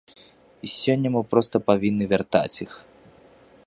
І сёння мы проста павінны вяртаць іх.